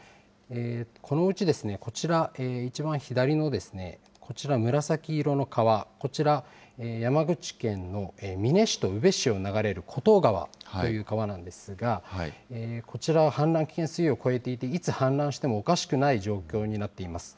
このうちこちら、一番左のこちら紫色の川、こちら、山口県の美祢市と宇部市を流れる厚東川という川なんですが、こちらは氾濫危険水位を超えていて、いつ氾濫してもおかしくない状況になっています。